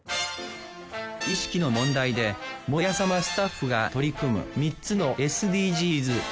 意識の問題で「モヤさま」スタッフが取り組む３つのＳＤＧｓ。